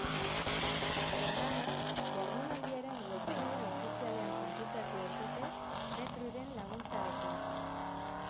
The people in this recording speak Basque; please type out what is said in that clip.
Programa, jardunaldiaren webgune ofizialean kontsultatu daiteke metrooren laguntzarekin.